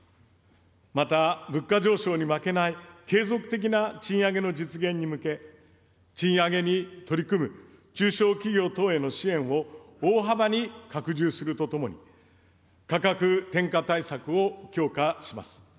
また物価上昇に負けない継続的な賃上げの実現に向け、賃上げに取り組む中小企業等への支援を、大幅に拡充するとともに、価格転嫁対策を強化します。